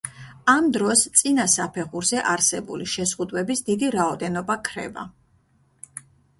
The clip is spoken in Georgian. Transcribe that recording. ამ დროს წინა საფეხურზე არსებული შეზღუდვების დიდი რაოდენობა ქრება.